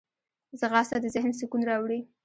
ځغاسته د ذهن سکون راوړي